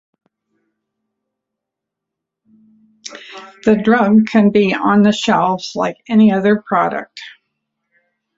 The drug can be on the shelves like any other product.